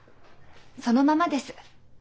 そのままです。